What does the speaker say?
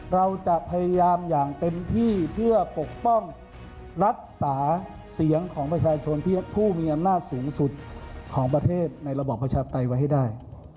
เราจะพยายามอย่างเต็มที่เพื่อปกป้องรักษาเสียงของประชาชนที่ผู้มีอำนาจสูงสุดของประเทศในระบอบประชาปไตยไว้ให้ได้